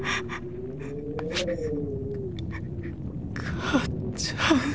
母ちゃん。